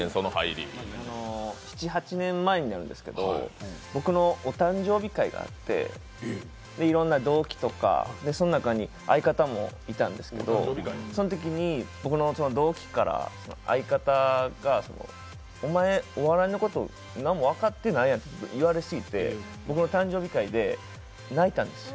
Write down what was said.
７８年前になるんですけど、僕のお誕生日会があって、いろんな同期とか、その中に相方もいたんですけど、そのときに僕の同期から相方がお前、お笑いのこと何も分かってないやんって言われすぎて、僕の誕生日会で泣いたんです。